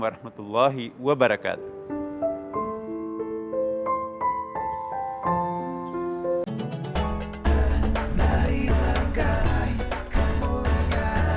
wa rahmatullahi wa barakatuh